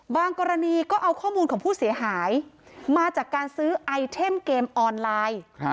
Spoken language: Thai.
กรณีก็เอาข้อมูลของผู้เสียหายมาจากการซื้อไอเทมเกมออนไลน์